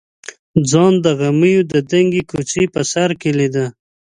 ځان د غمیو د دنګې څوکې په سر کې لیده.